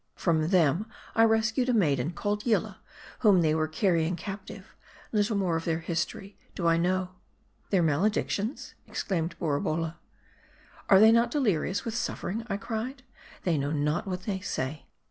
From them I rescued a maiden, called Yillah, whom they were carrying captive; Little more of their history do I know." " Their maledictions ?" exclaimed Borabolla. " Are they not delirious with suffering ?" I cried. " They know not what they say."